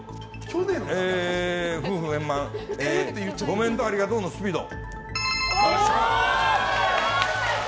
ごめんとありがとうのスピード！